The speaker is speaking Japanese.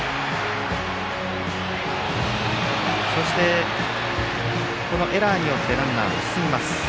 そして、エラーによってランナーが進みます。